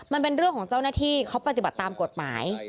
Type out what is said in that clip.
มันเป็นเรื่องของเจ้าหน้าที่เขาปฏิบัติตามกฎหมาย